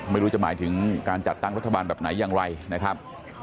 ไม่รู้จะหมายถึงการจัดตั้งรัฐบาลแบบไหนอย่างไรนะครับ